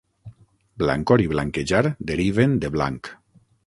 "Blancor" i "blanquejar" deriven de "blanc".